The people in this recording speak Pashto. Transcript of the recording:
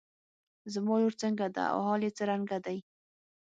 زما لور څنګه ده او حال يې څرنګه دی.